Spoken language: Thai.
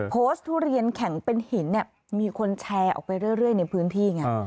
โพสต์ทุเรียนแข็งเป็นหินมีคนแชร์ออกไปเรื่อยในพื้นที่